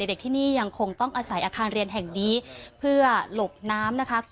เด็กที่นี่ยังคงต้องอาศัยอาคารเรียนแห่งนี้เพื่อหลบน้ำนะคะ